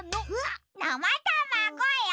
なまたまごよ。